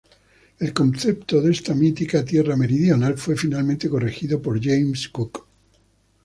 El concepto de esta mítica tierra meridional fue finalmente corregido por James Cook.